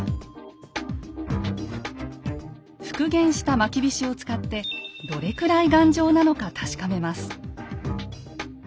復元したまきびしを使ってどれくらい頑丈なのか確かめます。